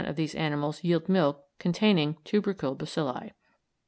of these animals yield milk containing tubercle bacilli.